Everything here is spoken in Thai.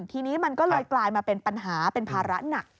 ทีนี้มันก็เลยกลายมาเป็นปัญหาเป็นภาระหนัก